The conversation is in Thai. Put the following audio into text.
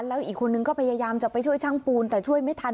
แล้วอีกคนนึงก็พยายามจะไปช่วยช่างปูนแต่ช่วยไม่ทัน